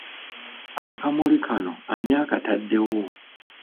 Akamuli kano ani akatadde wao?